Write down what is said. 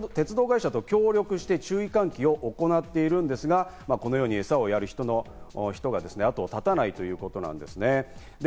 越谷では鉄道会社と協力して注意喚起を行っているんですが、このように餌をやる人が後を絶たないということなんですね。